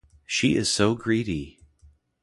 She is so greedy!